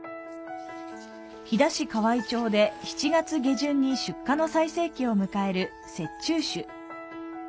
飛騨市河合町で７月下旬に出荷の最盛期を迎える雪中酒。